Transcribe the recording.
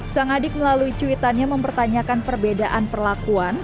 sang adik melalui cuitannya mempertanyakan perbedaan perlakuan